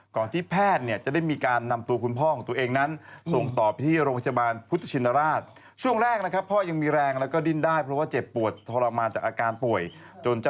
ก่อนที่แพทย์จะได้มีการนำตัวคุณพ่อของตัวเองนั้น